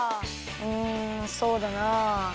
うんそうだな。